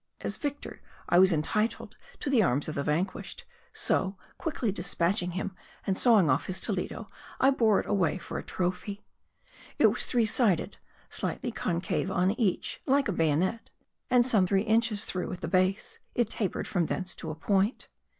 As victor, I was entitled to the arms of the vanquished ; so, quickly dispatching him, and sawing off his Toledo, I bore it away for a trophy. It was three sided, slightly eon cave on each, like a bayonet ; and some three inches through at the base, it tapered from thence to a point.